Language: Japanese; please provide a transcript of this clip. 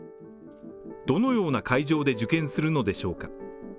どのような会場で受験するのでしょうか？